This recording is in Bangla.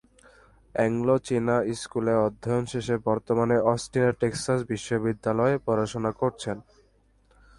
অ্যাংলো-চীনা স্কুলে অধ্যয়ন শেষে বর্তমানে অস্টিনের টেক্সাস বিশ্ববিদ্যালয়ে পড়াশোনা করছেন।